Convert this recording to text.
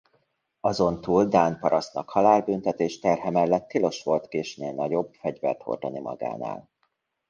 Azontúl dán parasztnak halálbüntetés terhe mellett tilos volt késnél nagyobb fegyvert hordani magánál.